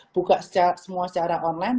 buka semua secara online